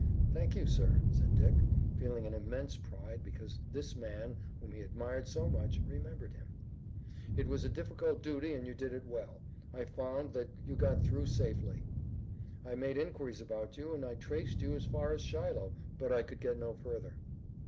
"Thank you, sir," said Dick, feeling an immense pride because this man, whom he admired so much, remembered him. "It was a difficult duty and you did it well. I found that you got through safely. I made inquiries about you and I traced you as far as Shiloh, but I could get no further."